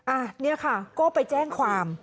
อันนี้ค่ะก็ไปแจ้งความ